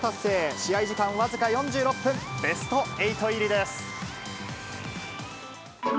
試合時間僅か４６分、ベスト８入りです。